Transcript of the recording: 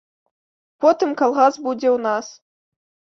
Потым калгас будзе ў нас.